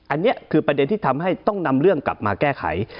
อันนี้คือประเด็นที่ทำให้ต้องนำเรื่องกลับมาแก้ไข